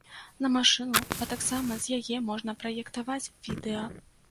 На машыну, а таксама з яе можна праектаваць відэа.